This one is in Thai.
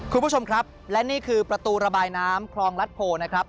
คุณผู้ชมครับและนี่คือประตูระบายน้ำคลองรัฐโพนะครับ